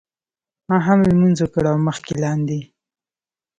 ما هم لمونځ وکړ او مخکې لاندې.